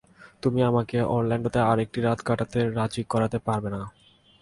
তুমি আমাকে অরল্যান্ডোতে আরেকটি রাত কাটাতে রাজী করাতে পারবে না।